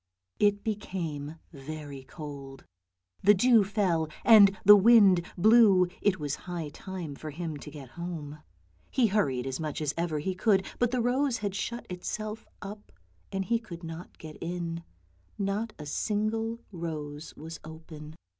It became very cold, the dew fell and the wind blew; it was high time for him to get home. He hurried as much as ever he could, but the rose had shut itself up, and he could not get in, — not a single rose was open.